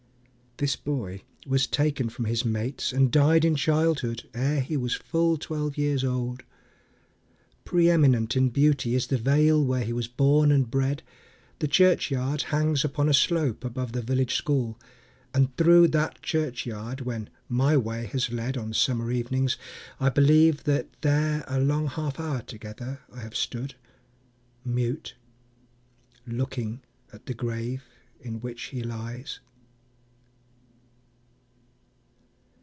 This boy was taken from his mates, and died In childhood, ere he was full twelve years old. Pre eminent in beauty is the vale Where he was born and bred: the churchyard hangs Upon a slope above the village school; And, through that church yard when my way has led On summer evenings, I believe, that there A long half hour together I have stood Mute looking at the grave in which he lies!